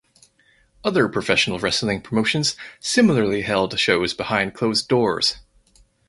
Other professional wrestling promotions similarly held shows behind closed doors.